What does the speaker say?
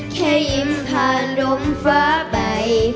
แค่ยิ้มผ่านลมฟ้าไป